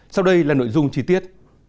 sau đây là nội dung trí tiết